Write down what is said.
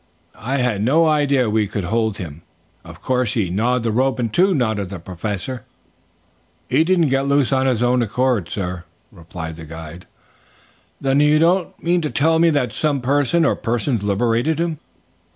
"I had no idea we could hold him. Of course he gnawed the rope in two," nodded the Professor. "He didn't get loose of his own accord, sir," replied the guide. "Then you don't mean to tell me that some person or persons liberated him?"